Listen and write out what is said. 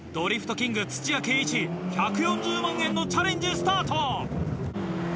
キング土屋圭市１４０万円のチャレンジスタート。